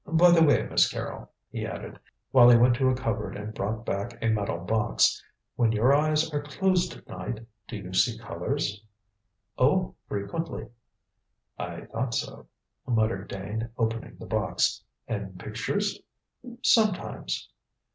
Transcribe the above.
By the way, Miss Carrol," he added, while he went to a cupboard and brought back a metal box, "when your eyes are closed at night, do you see colours?" "Oh, frequently." "I thought so," muttered Dane, opening the box. "And pictures?" "Sometimes."